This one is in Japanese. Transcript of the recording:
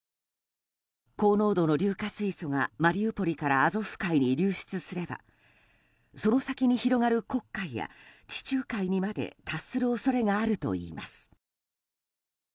高濃度の硫化水素がマリウポリからアゾフ海に流出すればその先に広がる黒海や地中海にまで達する恐れがあるといいます。